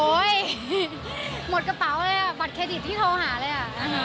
โอ้โฮหมดกระเป๋าเลยบัตรเครดิตที่โทรหาเลย